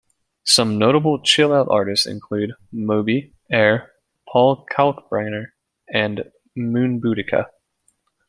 Some notable chill-out artists include: Moby, Air, Paul Kalkbrenner, and Moonbootica.